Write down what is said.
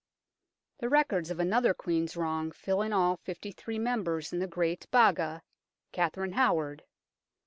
The records of another Queen's wrong fill in all fifty three membranes in the Great Baga Katherine Howard.